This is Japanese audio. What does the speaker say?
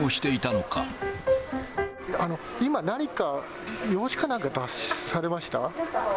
今、何か用紙か何か出されました？